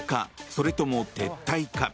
それとも撤退か？